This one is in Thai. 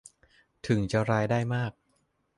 ถึงจะรายได้มาก